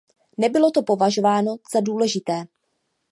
Nebylo to považováno za důležité.